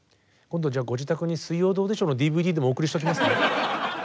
今度じゃあご自宅に「水曜どうでしょう」のＤＶＤでもお送りしておきますね。